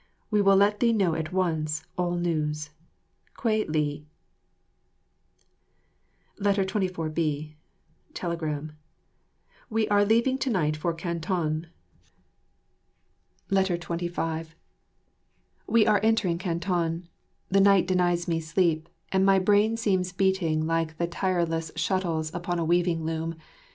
We will let thee know at once all news. Kwei li 24,b. [ Telegram_] We are leaving to night for Canton. 25 We are entering Canton. The night denies me sleep, and my brain seems beating like the tireless shuttles upon a weaving loom.